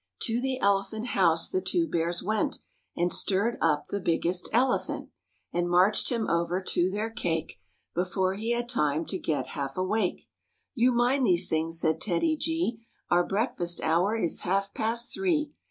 To the elephant house the two Bears went And stirred up the biggest elephant, And marched him over to their cake Before he had time to get half awake. " You mind these things," said TEDDY G, " Our breakfast hour is half past three.